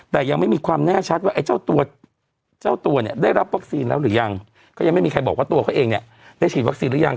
แต่ยังไม่มีความแน่ชัดว่าไอ้เจ้าตัวเจ้าตัวเนี่ยได้รับวัคซีนแล้วหรือยังก็ยังไม่มีใครบอกว่าตัวเขาเองเนี่ยได้ฉีดวัคซีนหรือยัง